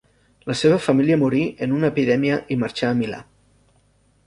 La seva família morí en una epidèmia i marxà a Milà.